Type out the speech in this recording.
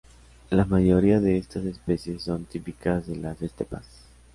La mayoría de estas especies son típicas de las estepas.